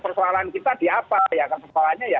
persoalan kita di apa akar persoalannya